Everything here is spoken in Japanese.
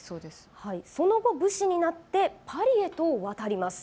その後、武士になってパリへと渡ります。